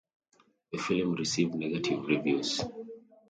The film received negative reviews.